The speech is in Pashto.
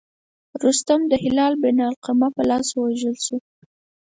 رستم د هلال بن علقمه په لاس ووژل شو.